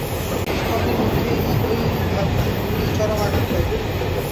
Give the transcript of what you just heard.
এই শতাব্দীর মধ্যেই ঐ ভাবগুলি চরম আঘাত পাইবে।